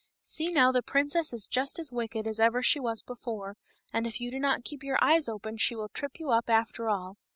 See now, the princess is just as wicked as ever she was before, and if you do not keep your eyes open she will trip you up after all.